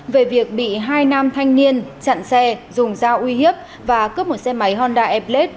về việc bị hai nam thanh niên chặn xe dùng dao uy hiếp và cướp một xe máy honda e blade